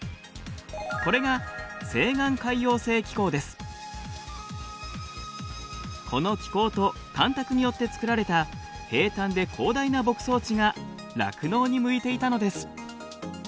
これがこの気候と干拓によって作られた平たんで広大な牧草地が酪農に向いていたのです。